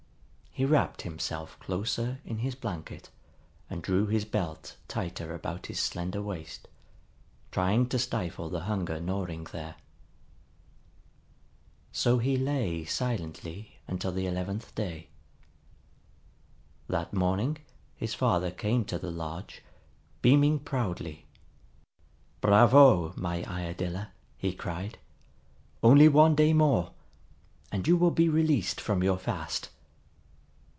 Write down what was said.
He wrapped himself closer in his blanket and drew his belt tighter about his slender waist, trying to stifle the hunger gnawing there. So he lay silently until the eleventh day. That morning his father came to the lodge, beaming proudly. "Bravo, my Iadilla!" he cried. "Only one day more, and you will be released from your fast."